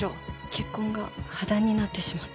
結婚が破談になってしまって。